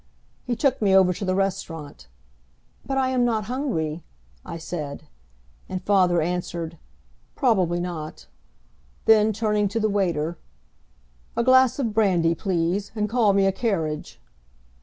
He took me over to the restaurant. "But I am not hungry," I said. And father answered, "Probably not." Then, turning to the waiter, "A glass of brandy, please, and call me a carriage."